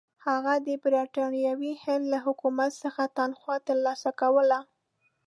هغه د برټانوي هند له حکومت څخه تنخوا ترلاسه کوله.